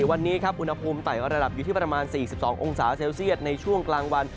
วันนี้ครับอุณหภูมิไต่ระดับอยู่ที่ประมาณ๔๒องศาเซลเซียตในช่วงกลางวัน